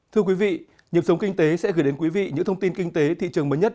thưa quý vị nhiệm sống kinh tế sẽ gửi đến quý vị những thông tin kinh tế thị trường mới nhất